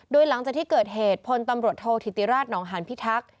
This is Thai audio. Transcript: โดยหลังจากที่เกิดเหตุพลตำรวจโทษธิติราชหนองหานพิทักษ์